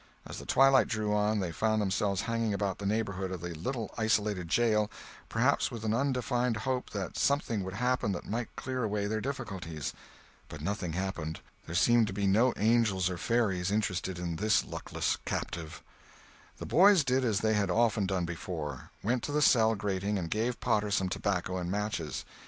As the twilight drew on, they found themselves hanging about the neighborhood of the little isolated jail, perhaps with an undefined hope that something would happen that might clear away their difficulties. But nothing happened; there seemed to be no angels or fairies interested in this luckless captive. The boys did as they had often done before—went to the cell grating and gave Potter some tobacco and matches.